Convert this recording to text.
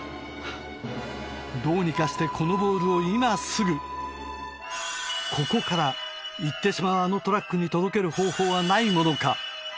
どうにかしてこのボールを今すぐここから行ってしまうあのトラックに届ける方法はないものか？